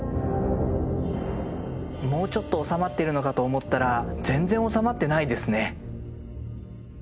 もうちょっと収まってるのかと思ったら全然収まってないですね。